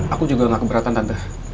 aku juga gak keberatan tante